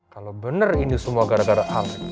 kalau bener ini semua gara gara al